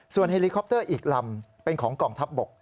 เฮลิคอปเตอร์อีกลำเป็นของกองทัพบก